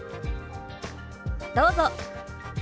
どうぞ。